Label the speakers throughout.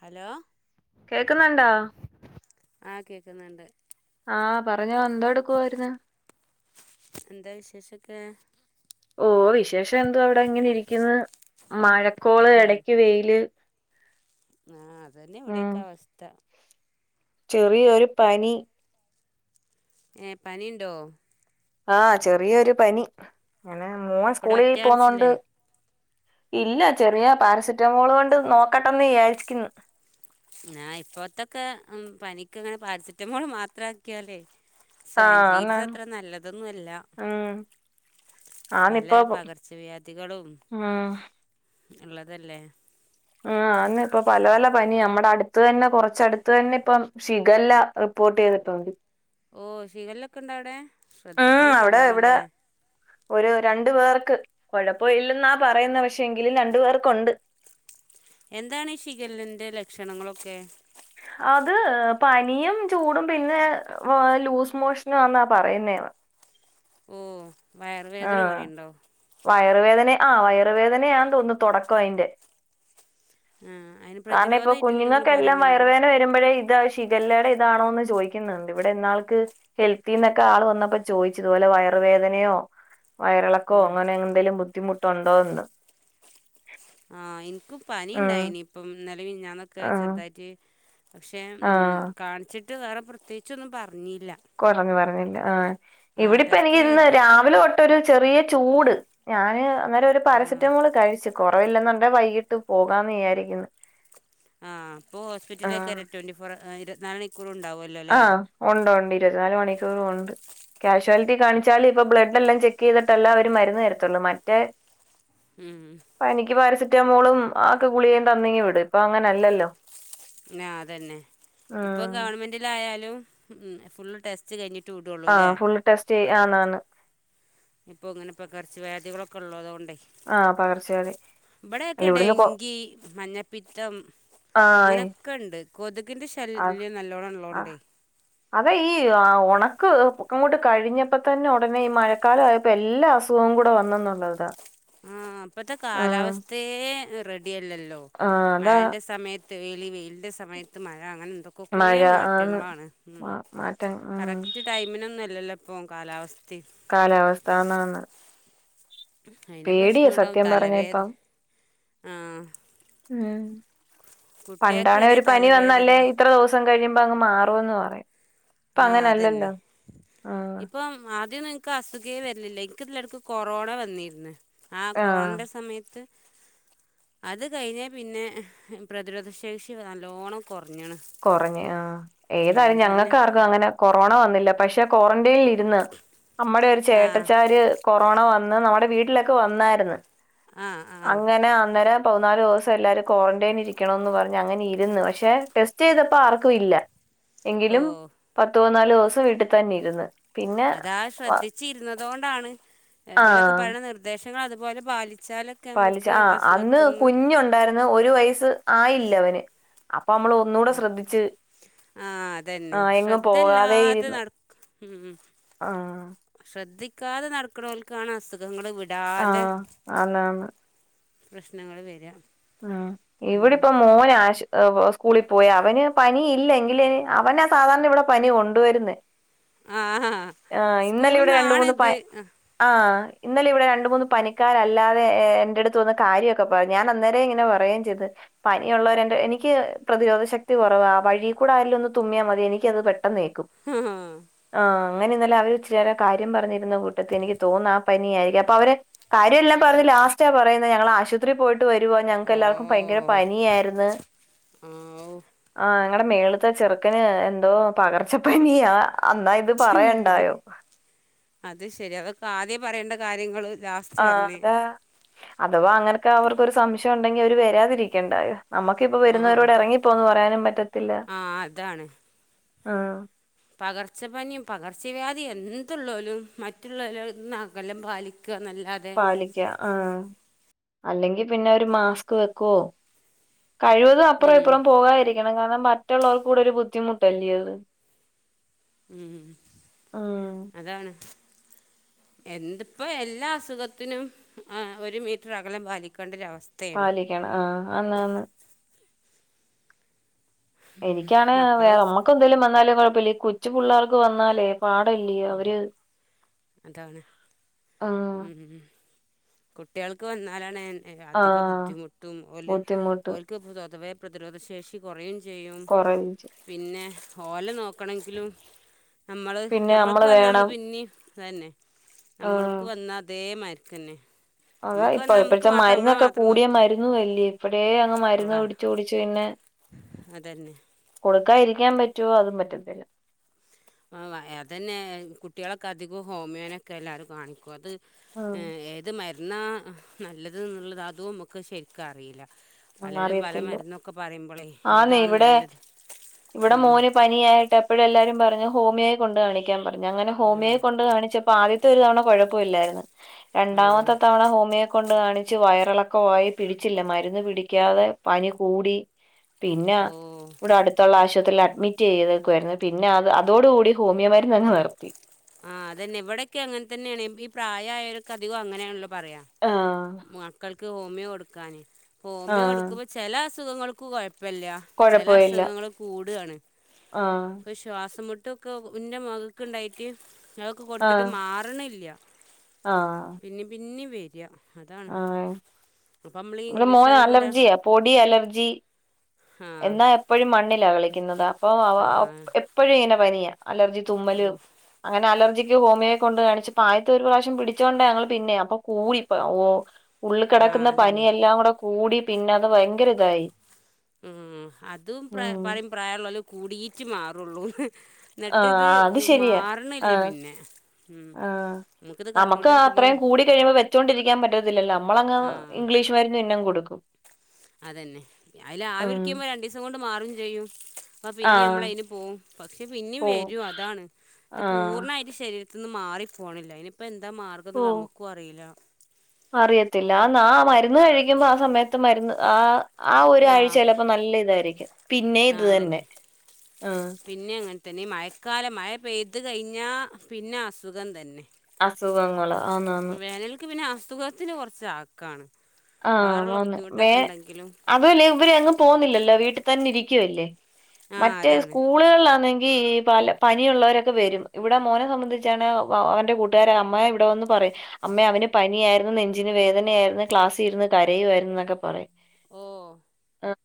Speaker 1: Hello
Speaker 2: കേക്കുന്നുണ്ടോ
Speaker 1: ആ കേക്കുന്നുണ്ട്
Speaker 2: ആ പറഞ്ഞോ എന്തോ എടുക്കുവായിരുന്നു
Speaker 1: എന്താ വിശേഷൊക്കെ
Speaker 2: ഓ വിശേഷം എന്തോ ഇവടെ ഇങ്ങനെ ഇരിയ്ക്കുന്ന് മഴക്കോള് എടയ്ക്ക് വെയില്
Speaker 1: ആ അതന്നെ
Speaker 2: ഉം
Speaker 1: ഇവിടെക്ക അവസ്ഥ
Speaker 2: ചെറിയൊരു പനി
Speaker 1: ഏഹ പനിണ്ടോ
Speaker 2: ആഹ ചെറിയൊരു പനി ങ്ങനെ മോൻ
Speaker 1: ഇപ്പൊ
Speaker 2: സ്കൂളിൽ
Speaker 1: ഡോക്ടറെ
Speaker 2: പോവുന്നോണ്ട്
Speaker 1: കാണിച്ചില്ലേ
Speaker 2: ഇല്ല ചെറിയ പാരസിെറ്റാമോൾ കൊണ്ട് നോക്കട്ടെന്ന് വിചാരിക്കുന്നു
Speaker 1: ആ ഇപ്പത്തൊക്കെ ഉം പനിക്ക് അങ്ങനെ പാരസെറ്റമോൾ മാത്ര ആക്കിയാലെ
Speaker 2: ആഹ്
Speaker 1: സാഞ്ചീൽസ്
Speaker 2: ആന്നാണ്
Speaker 1: അത്ര നല്ലതൊന്നും അല്ല
Speaker 2: ഉം
Speaker 1: പല
Speaker 2: ആന്നിപ്പോ
Speaker 1: പകർച്ചവ്യാധികളും
Speaker 2: ഉം
Speaker 1: ഇള്ളതല്ലേ
Speaker 2: ആ അതെന്നെപ്പ പല പല പനിയാ നമ്മുടെ അടുത്ത് തന്നെ കൊറച്ചടുത്ത് തന്നെപ്പം ശിഖല്ല റിപ്പോട്ട് ചെയ്തിട്ടുണ്ട്
Speaker 1: ഓ ശിഖല്ലൊക്കെ ഇണ്ടാ അവുടെ
Speaker 2: ഉം
Speaker 1: ശ്രദ്ധിക്കണം
Speaker 2: അവിടെ ഇവിടെ
Speaker 1: നല്ലോണംല്ലേ
Speaker 2: ഒരു രണ്ടു പേർക്ക് കൊഴപ്പ ഇല്ലെന്നാ പറയുന്ന പക്ഷേങ്കിലും രണ്ടു പേർക്കൊണ്ട്
Speaker 1: എന്താണ് ഈ ശിഖല്ലന്റെ ലക്ഷണങ്ങളൊക്കെ
Speaker 2: അത് പനിയും ചൂടും പിന്നെ ലൂസ് മോഷനും ആന്നാ പറയുന്നേ ന്ന്
Speaker 1: ഓ വയറ് വേദന
Speaker 2: ആഹ്
Speaker 1: പറയിണ്ടോ
Speaker 2: വയറുവേദന ആ വയറുവേദനയാന്ന് തോന്നുന്നു തൊടക്കം അയ്ന്റെ
Speaker 1: ആഹ് അയിന്
Speaker 2: കാരണം ഇപ്പൊ കുഞ്ഞുങ്ങൾക്കെല്ലാം വയറവേദന വരുമ്പോഴ ഇതാവ ശിഖല്ലേടെ ഇതാണോന്ന് ചോദിയ്ക്കുന്നുണ്ട് ഇവിടെ ഇന്നാൾക്ക് ഹെൽത്തിന്നൊക്കെ ആള് വന്നപ്പോ ചോയിച്ചു ഇപോലെ വയറുവേദനയോ വയറെളക്കോ
Speaker 1: ഉം
Speaker 2: അങ്ങനെ എന്തേലും ബുദ്ധിമുട്ടുണ്ടോന്ന്
Speaker 1: ആ ഇൻക്കും
Speaker 2: ഉം
Speaker 1: പനിണ്ടായിനിപ്പം ഇന്നലെ മിഞ്ഞാന്നൊക്കെ
Speaker 2: ആഹ്
Speaker 1: ചെറ്തായിട്ട് പക്ഷേ
Speaker 2: ആഹ്
Speaker 1: കാണിച്ചിട്ട് വേറെ പ്രത്യേയ്ച്ചൊന്നും പറ്ഞ്ഞീല്ല
Speaker 2: കുറഞ്ഞു പറഞ്ഞില്ല ആ ഇവിടിപ്പ
Speaker 1: ടെസ്റ്റ്
Speaker 2: എനിക്ക്
Speaker 1: കാ
Speaker 2: ഇന്ന് രാവിലെ തൊട്ട് ഒരു ചെറിയ ചൂട് ഞാന് അന്നേരം ഒരു
Speaker 1: ആഹ്
Speaker 2: പാരസെറ്റമോൾ കഴിച്ചു കുറവില്ലെന്നണ്ട വൈകിട്ട് പോകാന്ന് വിജാരിക്കുന്നു
Speaker 1: ആ അപ്പോ ഹോസ്പിറ്റലൊക്കെ
Speaker 2: ആഹ്
Speaker 1: ട്വൻ്റി ഫോർ ഇരുപത് നാല് മണിക്കൂറുംണ്ടാവുമല്ലോ
Speaker 2: ആ ഉണ്ട് ഉണ്ട് ഇരുപത്തി നാല് മണിക്കൂറും ഉണ്ട് കാഷ്വാലിറ്റി കാണിച്ചാൽ ഇപ്പൊ ബ്ലഡ് എല്ലാം ചെക്ക് ചെയ്തിട്ടല്ല അവര് മരുന്ന് തരത്തുള്ളൂ മറ്റേ
Speaker 1: ഉം
Speaker 2: പനിക്ക് പാരസിെറ്റാമോളും ആക്കെ ഗുളികയും തന്നിങ്ങി വിടും ഇപ്പൊ അങ്ങനെയല്ലല്ലോ
Speaker 1: ആ അതന്നെ ഇപ്പം
Speaker 2: ഉം
Speaker 1: ഗവൺമെന്റിലായാലും ഫുൾ ടെസ്റ്റ് കഴിഞ്ഞിട്ട് വിടുള്ളൂ
Speaker 2: ആ ഫുൾ ടെസ്റ്റ് ചെയ്യാന്നാണ്
Speaker 1: ഇപ്പൊ ഇങ്ങനെപ്പകർച്ച വ്യാധികളൊക്കെ ഉള്ളതുകൊണ്ടേ
Speaker 2: ആഹ് പകർച്ചവ്യാധി അല്ല
Speaker 1: ഇവിടെൊക്കെ
Speaker 2: ഇവിടുന്ന് കൊ
Speaker 1: ഡെങ്കി മഞ്ഞപ്പിത്തം
Speaker 2: ആഹ്
Speaker 1: അങ്ങനെ ഒക്കെണ്ട് കൊതുക്കിൻ്റെ ശല്യം നല്ലോണം
Speaker 2: ആഹ്
Speaker 1: ഉള്ളതോണ്ടേ
Speaker 2: അതെ ഈ ഉണക്ക് പൊക്കംങ്ങോട്ട് കഴിഞ്ഞപ്പോ തന്നെ ഉടനെ ഈ മഴക്കാലയ പ്പ എല്ലാ അസുഖം കൂടെ വന്നന്നുള്ളതാ
Speaker 1: ഉം ഇപ്പത്തെ കാലാവസ്ഥയെ റെഡിിയല്ലല്ലോ
Speaker 2: ആ, അതാ
Speaker 1: മഴന്റെ സമയത്ത് ത്ത് വെയില് വെയിലിന്റെ സമയത്ത്മഴ അങ്ങനെ എന്തോ കൊക്കോയെ
Speaker 2: മഴ ആന്ന്
Speaker 1: മാറ്റങ്ങളാണ് ഉം
Speaker 2: മാ- മാറ്റം ഉം.
Speaker 1: കറക്റ്റ് ടൈമിനൊന്നും അല്ലല്ലോ ഇപ്പ കാലാവസ്ഥ
Speaker 2: കാലാവസ്ഥ ആന്ന് ആന്ന്
Speaker 1: അതിന്റെ
Speaker 2: പേടിയ
Speaker 1: പ്രശ്നമുണ്ടാവും
Speaker 2: സത്യം പറഞ്ഞ
Speaker 1: തലവേദന
Speaker 2: ഇപ്പം
Speaker 1: ആഹ്
Speaker 2: ഉ
Speaker 1: കുട്ടികൾക്ക്
Speaker 2: പണ്ടാണെ
Speaker 1: വരെ
Speaker 2: ഒരു പനി
Speaker 1: തലവേദന
Speaker 2: വന്നല്ലേ ഇത്ര ദിവസം സം കഴിയുമ്പോ അങ് മാറുംന്ന് പറയാം
Speaker 1: ആഹ് അതെന്നെ
Speaker 2: ഉം.
Speaker 1: ഇപ്പം ആദ്യം നിനക്ക് അസുഖേ വരിലില്ല എനിക്കല്ലടക്ക് കൊറോണ വന്നിരുന്ന് ആഹ്
Speaker 2: ആ
Speaker 1: കൊറോണന്റെ സമയത്ത് അത് കഴിഞ്ഞെ പിന്നെ പ്രതിരോധശേഷി നല്ലോണ്ണം കുറഞ്ഞണ്
Speaker 2: കുറഞ്ഞ് ആഹ്
Speaker 1: ഉം
Speaker 2: ഏതായാലും
Speaker 1: പിന്നെ
Speaker 2: ഞങ്ങൾക്ക് ആർക്കും അങ്ങനെ കൊറോണ വന്നില്ല പക്ഷെ ക്വാറന്റൈനിൽ ഇരു ന്ന്‌ നമ്മടെ ഒരു
Speaker 1: ആ
Speaker 2: ചേട്ടച്ചാര് കൊറോണ വന്ന് നമ്മുടെ വീട്ടിലൊക്കെ വന്നായിരുന്നു
Speaker 1: ആ ആ
Speaker 2: അങ്ങനെ അന്നേരം പതിനാല് ദിവസം എല്ലാരും ക്വാറന്റൈൻ ഇരിക്കണന്ന് പറഞ്ഞ് അങ്ങനെ ഇരുന്ന് പക്ഷെ ടെസ്റ്റ് ചെയ്തപ്പോ ആർക്കും ഇല്ല
Speaker 1: ഓ
Speaker 2: എങ്കിലും പത്ത പതിന്നാലു ദിവസം വീട്ടിൽ തന്നെ ഇരുന്ന് പിന്നെ
Speaker 1: അതാ
Speaker 2: വ
Speaker 1: ശ്രദ്ധിച്ചിരുന്നത് കൊണ്ടാണ് ഇബലൊക്കെ
Speaker 2: ആഹ്
Speaker 1: പറയണ നിർ ദേശങ്ങൾ അതുപോലെ പാലിച്ചാൽ
Speaker 2: പാലിച്ച ആഹ് അന്ന് കുഞ്ഞുണ്ടായിന്ന് ഒരു വയസ് ആയില്ലവന് അപ്പൊ നമ്മള് ഒന്നൂടെ ശ്രദ്ധിച്ച്
Speaker 1: ആഹ് അതന്നെ
Speaker 2: ആഹ് എങ്ങും പോകാതെ
Speaker 1: ശ്രദ്ധല്ലാതെ
Speaker 2: ഇരുന്നു.
Speaker 1: നട ഉം
Speaker 2: ആഹ്
Speaker 1: ശ്രദ്ധിക്കാതെ നടക്കുന്നവൽക്കാണ് അസുഖങ്ങള് വിടാതെ
Speaker 2: ആന്ന്‌ ആന്ന്
Speaker 1: പ്രശ്നങ്ങള് വര
Speaker 2: ഉം ഇവിടെപ്പ മോൻ ആശ സ്കൂളിൽ പോയ അവന് പനിയില്ലെങ്കിൽ അവനാ സാധാരണ ഇവിടെ പനി കൊണ്ടു വരുന്നേ
Speaker 1: ആ
Speaker 2: ആഹ് ഇന്നലെ
Speaker 1: സ്കൂളിൽ
Speaker 2: ഇവിടെ രണ്ട് മൂന്ന് പ
Speaker 1: നിന്നാണിത്
Speaker 2: ആഹ് ഇന്നലെ ഇവിടെ രണ്ട മൂന്ന് പനിക്കാരല്ലാതെ എന്റെ അടുത്ത് വന്ന്‌ കാര്യോക്കെ പറഞ്ഞു ഞാൻ അന്നേരം ഇങ്ങനെ പറയുകയും ചെയ്ത് പനിയ ഉുള്ളവരെന്റെ എനിക്ക് പ്രതിരോധ ശക്തി കുറവ ആ വഴി കൂടെ ആരെലും ഒന്ന് തുമ്മിയാൽ മതി എനിക്ക് അത് പ ട്ടെന്ന് ഏക്കും ആഹ് അങ്ങനെ ഇന്നലെ അവര് ചേരം കാര്യം പറഞ്ഞിരുന്ന കൂട്ടത്ത് എനിക്ക് തോന്നുന്നു ആ പനിയായിരിക്കും അപ്പൊ അവരെ കാര്യ എല്ലാം പറഞ് ലാസ്റ്റാ പറയുന്നത് ഞൾ ആശുപത്രിയി പോയിട്ട് വരുവാ ഞങ്ങൾക്ക്
Speaker 1: ഓ ആ
Speaker 2: എല്ലർക്കും ഭയങ്കര പനിയായിരുന്നു
Speaker 1: ഹാവൂ
Speaker 2: ആഹ് ഞങ്ങടെ മേള്ത്തെ ചെറുക്കന് എന്തോ പകർച്ചപ്പനിയാ അന്നാ ഇത്
Speaker 1: ൻ്റെ മ്മെ
Speaker 2: പറയണ്ടായോ
Speaker 1: അത് ശരി അതൊക്കെ ആദ്യേ പറേണ്ട കാര്യങ്ങള് ലാസ്
Speaker 2: ആഹ് അത അഥവാ അങ്ങനെയൊക്കെ അവർക്കൊരു സംശയം ഉണ്ടെങ്കി അവര് വരാതിരിയ്ക്കണ്ടായൊ നമ്മുക്കിപ്പോ
Speaker 1: ആ
Speaker 2: വരുന്നവരോട് ഇറങ്ങിപ്പോന്ന് പറയാനും പറ്റത്തില്ല
Speaker 1: ആ
Speaker 2: ഉം
Speaker 1: പകർച്ചപ്പനിം പകർച്ചവ്യാധിം എന്തുള്ളോലും മറ്റുള്ളവരിൽ നിന്നകലം പാലിക്കന്നല്ലാ
Speaker 2: പാലി ക്ക ആഹ് അല്ലെങ്കി പിന്നെ അവര് മാസ്‌ക് വെക്കോ കഴിവ് തും അപ്പറൊം
Speaker 1: ഉം,
Speaker 2: ഇപ്പുറൊം പോകാതിരിക്കണം കാരണം മറ്റുള്ളോൽക്ക് കൂടെ ഒരു ബുദ്ധിമുട്ടല്ലിയോ അത്
Speaker 1: ഉം
Speaker 2: ഉം
Speaker 1: അതാണ് എന്ത് പ്പോ എല്ലാ അസുഖത്തിനും ഏഹ് ഒരു മീറ്റർ അകലം പാലിക്കേണ്ട ഒരവസ്ഥ
Speaker 2: പാലിയ്ക്കണം ആഹ് ആന്ന് ആന്ന് എനിയ്ക്കാണ്
Speaker 1: മക്കള്
Speaker 2: വേഗം ഞമ്മക്ക്
Speaker 1: സ്കൂ-
Speaker 2: എന്തേലും വന്നാലും കൊഴപ്പല്ല ഈ കൊച്ചു പുള്ളേർക്ക് വന്നാലേ പാടല്ലയോ അവര്
Speaker 1: അതാണ്
Speaker 2: ആഹ്
Speaker 1: കുട്ട്യാൾക്ക് വന്നാലാണ് അധികം
Speaker 2: ആഹ്
Speaker 1: ബുദ്ധിമുട്ടും ഓല്
Speaker 2: ബുദ്ധിമുട്ട്
Speaker 1: ഓൽ ക്കെപ്പതും അഥവേ പ്രതിരോധ ശേഷി കെറയും ചെയ്യും
Speaker 2: കൊറയും ചെയ്യും.
Speaker 1: പിന്നെ ഓലെ നോക്കണെങ്കിലും നമ്മള്
Speaker 2: പിന്നെ
Speaker 1: നമ്മൾ ക്ക് വന്ന നമ്മള്
Speaker 2: വേണം
Speaker 1: പിന്നിം അതന്നെ
Speaker 2: ആഹ്
Speaker 1: നമ്മൾക്ക് വന്ന അതേ മാരിക്കെന്നെ
Speaker 2: അതായിപ്പൊ ഇപ്പഴത്തെ മരുന്നൊക്കെ
Speaker 1: മാത്രം
Speaker 2: കൂടിയ
Speaker 1: നോക്കിയാൽ
Speaker 2: മരുന്നൂ അല്ലെ ഇപ്പഴേ അങ്ങ് മരുന്ന്
Speaker 1: ആ
Speaker 2: കുടിച്ച് കുടിച്ച് പിന്നെ
Speaker 1: അതന്നെ
Speaker 2: കൊടുക്കാ ഇരിയ്ക്കാൻ പറ്റോ അതും പറ്റത്തില്ല
Speaker 1: ആഹ് വ അതന്നെ കുട്ട്യാളൊക്കെ അധികം ഹോമിയോനൊക്കെ എല്ലാരും കാണിക്കും അത്
Speaker 2: ഉം
Speaker 1: ഏ ഏത് മര്ന്നാ നല്ലത് ന്ന്ള്ളത് അതുമ്മക്ക് ശരിക്ക് അറീല്ല
Speaker 2: ഉം,
Speaker 1: പലരും പല
Speaker 2: അറിയത്തില്ല
Speaker 1: മരുന്നൊക്കെ പറിമ്പളയ്
Speaker 2: ആന്നെ ഇവിടെ ഇവിടെ
Speaker 1: ഉം.
Speaker 2: മോന് പനി നിയായിട്ട് എപ്പഴും എല്ലാരും പറഞ്ഞു ഹോമിയോയി കൊണ്ട് കാണിയ്ക്കാൻ പറഞ്ഞു അങ്ങനെ
Speaker 1: ആ
Speaker 2: ഹോമിയോയി കൊണ്ട് കാണിച്ചപ്പോ ആവി ത്തൊരു തവണ കൊഴപ്പല്ലായിരുന്നു
Speaker 1: ആ
Speaker 2: രണ്ടാമത്തെ തവണ ഹോമിയോ കൊണ്ട് കാണിച്ചു വയറെളക്കവായി പിടിച്ചില്ല മരുന്ന് പിടിയ്ക്കാതെ പനി കൂടി പിന്ന
Speaker 1: ഓ
Speaker 2: ഇവടെ അട് ത്തൊള്ളാ ആശുപത്രില് അഡ്മിറ്റെയ്ത്ക്കുവായിരുന്നു പിന്നെ അതോ അതോടുകൂടി ഹോമിയോ മര്ന്നങ്ങ് നിർത്തി
Speaker 1: ആഹ് അതന്നെ ഇവടൊക്കെ അങ്ങൻ തന്നെയാണ് ഈ പ്രായായോലൊക്കെ അധികം അങ്ങനെയാണല്ലോ പറയ
Speaker 2: ആഹ്
Speaker 1: മക്കൾക്ക് ഹോമിയോ കൊടുക്കാന് അപ്പം ഹോമിയോ
Speaker 2: ആഹ്
Speaker 1: കൊടുക്കുമ്പം ചെല അസുഖങ്ങൾക്ക് കൊഴപ്പല്ല ചെല
Speaker 2: കൊഴപ്പമില്ല
Speaker 1: അസുഖങ്ങൾ കൂടാണ്
Speaker 2: ആഹ്
Speaker 1: പക്ഷെ ശ്വാസംമുട്ടൊക്കെ ഇൻ്റെ മകക്ക് ഇണ്ടായിട്ട് അതൊക്കെ കൊട്ത്തിട്ട്
Speaker 2: ആഹ്
Speaker 1: മാറ്ണില്ല
Speaker 2: ആഹ്
Speaker 1: പിന്നിം പിന്നിം വര അതാണ്
Speaker 2: ആഹ്
Speaker 1: അപ്പമ്മളി
Speaker 2: ഇവിടെ
Speaker 1: ഇംഗ്ലീഷ്
Speaker 2: മോന്
Speaker 1: ആവുമ്പര
Speaker 2: അലർജിയാ പൊടി അലർജി
Speaker 1: ആഹ്
Speaker 2: എന്നാ എപ്പഴും മണ്ണിലാ കളിയ്ക്കുന്നത് അപ്പൊ എപ്പഴും ഇങ്ങനെ പനിയ അലർജി
Speaker 1: ഓ
Speaker 2: തുമ്മല് അങ്ങനെ അലർജിക്ക് ഹോമിയൊ കൊണ്ട് കാണിച്ച് അപ്പം ആദ്യത്തെ ഒരു പ്രാവശം പിടിച്ചോണ്ട ഞങ്ങള് പിന്നേം അപ്പം കൂടിപ്പം ഓ ഉള്ളി
Speaker 1: ആ
Speaker 2: കടക്ക്ണ
Speaker 1: അതന്നെ
Speaker 2: പനിയെല്ലാം കൂടെ കൂടി പിന്നെ അത് ഭയങ്കര ഇതായി
Speaker 1: ഉം അതും
Speaker 2: ഉം
Speaker 1: പറിം പ്രായള്ളോല് കൂടീറ്റ് മാറുള്ളൂന്ന്
Speaker 2: ആഹ്
Speaker 1: ന്നട്ട്ത്
Speaker 2: അത് ശരിയാ
Speaker 1: മാറ്ണില്ല
Speaker 2: ആഹ്
Speaker 1: പിന്നെ ഉം നമുക്കിത് കണ്ടോണ്ടിരിക്കുമ്പം
Speaker 2: കഴിയുമ്പം വെച്ചോണ്ടിരിയ്ക്കാൻ പറ്റത്തില്ലല്ലോ നമ്മളങ്ങ്
Speaker 1: ആ
Speaker 2: ഇഗ്ലീഷ് മരുന്ന് പിന്നെം കൊടുക്കും
Speaker 1: അതന്നെ അയില്
Speaker 2: ഉം
Speaker 1: ആവിടിയ്ക്കുമ്പം രണ്ടീസം കൊണ്ട് മാറും ചെയ്യും അപ്പം പിന്നിം
Speaker 2: ആഹ്
Speaker 1: നമ്മള് അയ്ന് പോവും പക്ഷെ പിന്നിം
Speaker 2: പോവും
Speaker 1: വരും അതാണ് ഇത്
Speaker 2: ആഹ്
Speaker 1: പൂർണ്ണായിട്ട് ശരീരത്ത്ന്ന് മാറി പോണില്ല അയ്ന് അപ്പം എന്താ മാർഗം
Speaker 2: ഓ
Speaker 1: ന്ന്ള്ള ഞമ്മക്കും അറീലാ
Speaker 2: അറിയത്തില്ല ആന്ന് ആ മരുന്ന് കഴിക്കുമ്പോ ആ സമയത്ത് മരുന്ന് ആ ആ ഒരാഴ്ച ചെലപ്പോ നല്ല ഇതായിരിക്കും പിന്നേം
Speaker 1: ആ
Speaker 2: ഇത് തന്നെ
Speaker 1: അതന്നെ
Speaker 2: ആഹ്
Speaker 1: പിന്നെ അങ്ങൻ തന്നെ ഈ മഴക്കാലം മഴ പെയ്തു കഴിഞ്ഞാൽ പിന്നെ അസുഖം തന്നെ
Speaker 2: അസുഖങ്ങള് ആന്നാന്ന്
Speaker 1: വേനൽക്ക് പിന്നെ അസുഖത്തിന് കുറച്ച് ആക്കാണ് വാറള്ള ബുദ്ധിമുട്ടൊക്കെ ഉണ്ടെങ്കിലും
Speaker 2: അതല്ലേ ഇവര് അങ്ങ് പോകുന്നില്ലല്ലോ വീട്ടിൽ തന്നെ ഇരിക്കല്ലേ
Speaker 1: ആ
Speaker 2: മറ്റേ
Speaker 1: അതാണ്
Speaker 2: സ്കൂ സ്കൂളുകളിലാണെങ്കിൽ പല പനിയുള്ളവരൊക്കെ വരും ഇവിടെ മോനെ സംബന്ധിച്ചാണ് അവൻ്റെ കൂ ട്ടാര് അമ്മ ഇവിടെ വന്ന് പറയും അമ്മേ അവന് പനിയാര്ന്നു നെഞ്ചിന് വേദനായ്രുന്നു ക്ലാസ് ത്തിര്ന്ന് കരയായിരുന്നു എന്നൊക്കെ പറയും
Speaker 1: ഓ
Speaker 2: ആഹ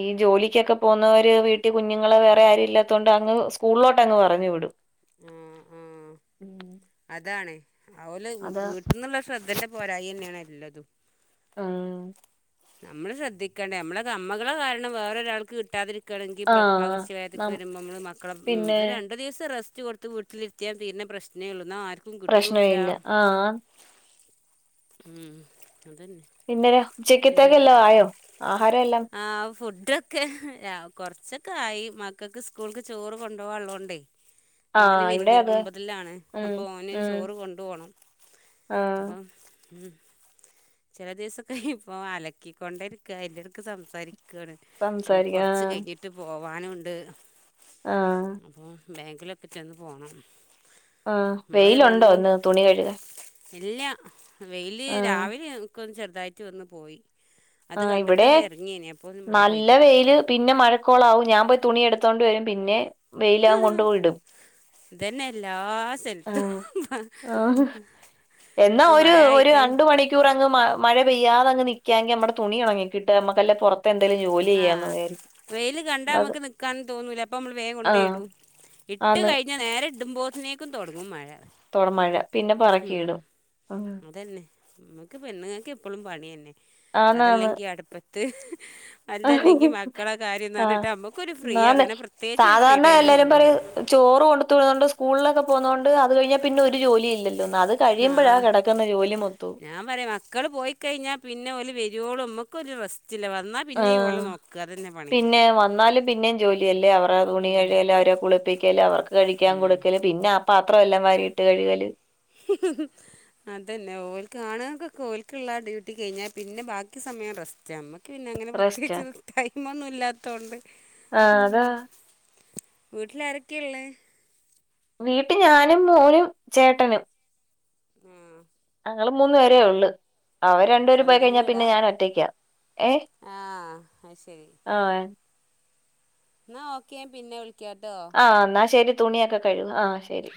Speaker 2: ഈ ജോലിക്കൊക്കെ പോകുന്നവര് വീട്ടിൽ കുഞ്ഞുങ്ങളെ വേറെ ആരും ഇല്ലാത്തുകൊണ്ട് അങ്ങ് സ്കൂളിലോട്ട് അങ്ങ് പറഞ്ഞു വിടും
Speaker 1: ആഹ ആഹ അതണ അവല
Speaker 2: അത്
Speaker 1: വീ എന്നുള്ള ശ്രദ്ധേന്റെ പോരായി തന്നെയാണ് എല്ലതും
Speaker 2: ഉം
Speaker 1: നമ്മള് ശ്രദ്ധിക്കേണ്ടേ നമ്മളെ കമ്മകളെ കാരണം വേറൊരാൾക്ക് കിട്ടാതിരിക്ക ണെങ്ക
Speaker 2: ആഹ്
Speaker 1: പകർച്ചവാദിവൊക്കെ
Speaker 2: നം
Speaker 1: വരുമ്പോ നമ്മള് മക്കളെ ഉം
Speaker 2: പിന്നെ
Speaker 1: രണ്ട ദിവസം റെസ്റ്റ് ച്ച് കൊടുത്ത് വീട്ടിലിരുത്തിയാൻ തീരുന്ന പ്രശ്നേ ഉള്ളൂ എന്ന ആർക്കും
Speaker 2: പ്രശ്ന
Speaker 1: കിട്ടൂല്ല
Speaker 2: ഇല്ല ആഹ്
Speaker 1: ഉം അതന്നെ
Speaker 2: പിന്നെ ഉചക്കത്തൊക്കെ എല്ലോ ആയോ ആഹാരം എല്ലാം
Speaker 1: ആഹ ഫുഡ് ക്കെ കൊറച്ചൊക്കെ ആയി മക്കൾക്ക് സ്കൂൾക്ക് ചോറ് കൊണ്ടുപോകള്ളോണ്ടേ ഓന്
Speaker 2: ആഹ് ഇവിടെ
Speaker 1: വല്യ
Speaker 2: അത്
Speaker 1: ഒമ്പതിലാണ്
Speaker 2: ഉം
Speaker 1: അപ്പൊ ഓന്
Speaker 2: ഉം
Speaker 1: ചോറ് കൊണ്ടു പോണം
Speaker 2: ആഹ്
Speaker 1: അപ്പം ഉം ചില ദിവസക യിപ ഇപ്പൊ അലക്കിക്കൊണ്ടരിക്ക എല്ലടക്കും സംസാരിക്കുകയാണ് നമ്മ
Speaker 2: സംസാരിക്ക
Speaker 1: കൊറച്ച്
Speaker 2: ആഹ്
Speaker 1: കഴിഞ്ഞിട്ട വിട്ട് പോവാനുണ്ട്
Speaker 2: ആഹ
Speaker 1: അപ്പോൾ ബാങ്കിലെപ്പറ്റ ഒന്ന് പോണം
Speaker 2: ആഹ വെയിലുണ്ടോ ഒന്ന് തുണി കഴുക
Speaker 1: എല്ല വെയില്
Speaker 2: ആഹ്
Speaker 1: രാവിലെക്ക് ചെറുതായിട്ട് വന്ന് പോയി അത്
Speaker 2: ആഹ ഇവിടെ
Speaker 1: കണ്ടിട്ടൊന്ന് ഇറങ്ങിയേനെ അപ്പോൾ ഒന്ന് മഴ
Speaker 2: നല്ല
Speaker 1: പെയ്തു
Speaker 2: വെയില് പിന്നെ മഴ ക്കോളാവും ഞാൻ പോയി തുണി എടുത്തോണ്ടണ്ട് വരും പിന്നെ വെയിലാക കൊണ്ട് ഇടും
Speaker 1: ഇതന്നെ എല്ലാ സെലുത്തും
Speaker 2: ആഹ് എന്നാ ഒരു ഒരു രണ്ട മണി ക്യൂ അങ് മഴ പെയ്യാതെങ്ങ് നക്കാെങ്കിൽ നമ്മുടെ തുണിണങ്ങിട്ട് നമ്മുക്കല്ലെ പുറത്ത് എന്തെങ്കിലും ജോലി ചെയ്യാന്ന്
Speaker 1: ആഹ
Speaker 2: വിചാരിക്കും
Speaker 1: വെയില് കണ്ട
Speaker 2: അത്
Speaker 1: നമ്മുക്ക് നിക്കാനും തോന്നൂല അപ്പൊ നമ്മള് വേഗം
Speaker 2: ആ
Speaker 1: കൊണ്ടേ ഇടൂ ഇട്ട്
Speaker 2: ആന്ന്
Speaker 1: കഴിഞ്ഞ നേരെ ഇടുമ്പോത്തിനേക്കും തുടങ്ങും മഴ
Speaker 2: തുട മഴ പിന്നെ
Speaker 1: ഉം
Speaker 2: പറക്കിയിടും ഉം
Speaker 1: അതന്നെ നമ്മുക്ക് പെണ്ണുങ്ങൾക്ക് എപ്പോഴും പണി തന്നെ
Speaker 2: ആന്നാന്ന്
Speaker 1: അതല്ലെങ്കി അടുപ്പത്ത് അല്ലതല്ലെങ്കിൽ മക്കളെ കാര്യംന്ന്
Speaker 2: ആ
Speaker 1: പറഞ്ഞിട്ട് നമുക്കൊരു ഫ്രീ
Speaker 2: ആന്ന്
Speaker 1: അങ്ങനെ പ്രത്യേകിച്ചരു ഫ്രീ
Speaker 2: സാധാരണ എല്ലാരും
Speaker 1: ടൈംന്നുമില്ല
Speaker 2: പറയും ചോറ് കൊടുത്ത വിടന്നതുകണ്ട് സ്കൂളിലൊക്ക പോന്നത കൊണ്ട് അത് കഴിഞ്ഞാ പിന്നെ ഒരു ജോലി ഇല്ലോ അത് കഴിയുമ്പഴാ കിടക്കുന്ന ജോലി മൊത്തു
Speaker 1: പറയ മക്കള് പോയിക്കഴിഞ്ഞാൽ പിന്നെ വരുവോളും നമ്മുക്ക് ഒരു റെസ്റ്റില് വന്നാൽ പിന്നെ ഓലെ
Speaker 2: ആ.
Speaker 1: നോക്കുക
Speaker 2: പിന്നെ വന്നാലും പിന്നെയും ജോലിയല്ലേ അവരെ തുണി
Speaker 1: ഉം
Speaker 2: കഴിയല് അവരെ കുളിപ്പിക്കല് അവർക്ക് കഴിക്കാൻ
Speaker 1: ഉം
Speaker 2: കൊടുക്കലും പിന്നെ ആഹ പാത്രം എല്ലാം വരിട്ട് കഴിവല്
Speaker 1: [inaudible] അതന്നെ ഓൽക്കണക്ക ഓലക്കുള്ള ഡ്യൂട്ടി കഴിഞ്ഞാൽ പിന്നെ ബാക്കി സമയം റസ്റ്റ്മ്മക്ക് പിന്നെ അങ്ങനെ
Speaker 2: റെസ്റ്റാ
Speaker 1: പ്രത്യേകിച്ചരു ടൈമൊന്നുംല്ലാത്തൊണ്ട്
Speaker 2: ആഹ്
Speaker 1: ഉം
Speaker 2: അതാ
Speaker 1: വീട്ടില ആരൊക്കെയ ഉള്ള?
Speaker 2: വീട്ട് ഞാനും മോനും ചേട്ടനും
Speaker 1: ഉം
Speaker 2: ഞങ്ങള് മൂന്ന പേരേ ഉള്ളു അവര് രണ്ടുപേര് പോയി
Speaker 1: സ്വന്തം
Speaker 2: കഴിഞ്ഞാ
Speaker 1: വീടാ
Speaker 2: പിന്നെ ഞാൻ ഒറ്റയ്ക്ക ഏഹ
Speaker 1: ആഹ് അത് ശരി
Speaker 2: ആഹ
Speaker 1: എന്നാ ഓക്കേ പിന്നെ വിളിക്കാട്ടോ
Speaker 2: ആഹ എന്നാൽ ശരി തുണിയൊക്കെ കഴിവൂ ആഹ ശരി